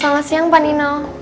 selamat siang pak nino